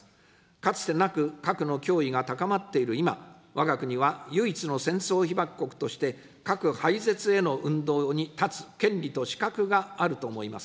かつてなく核の脅威が高まっている今、わが国は唯一の戦争被爆国として、核廃絶への運動に立つ権利と資格があると思います。